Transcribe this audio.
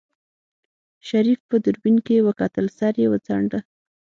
شريف په دوربين کې وکتل سر يې وڅنډه.